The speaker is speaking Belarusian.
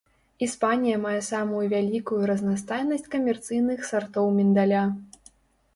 Іспанія мае самую вялікую разнастайнасць камерцыйных сартоў міндаля.